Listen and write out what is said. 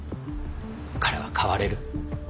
彼は変われる。